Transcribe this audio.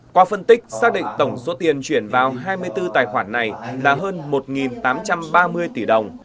qua phân tích xác định tổng số tiền chuyển vào hai mươi bốn tài khoản này là hơn một tám trăm ba mươi tỷ đồng